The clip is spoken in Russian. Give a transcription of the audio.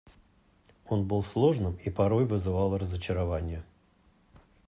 Он был сложным и порой вызывал разочарование.